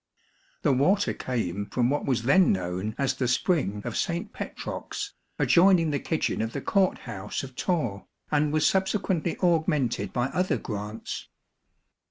The water came from what was then known as the spring of St. Petrox, adjoining the kitchen of the court house of Torre, and was subsequently augmented by other grants.